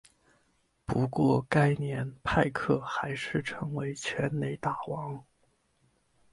不过该年派克还是成为全垒打王。